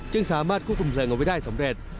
จึงสามารถคุกกลุ่มเพลิงเอาไว้ได้สำเร็จ